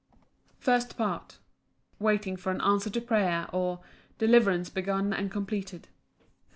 First Part. Waiting for an answer to prayer; or, Deliverance begun and completed.